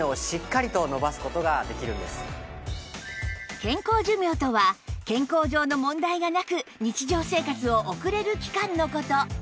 健康寿命とは健康上の問題がなく日常生活を送れる期間の事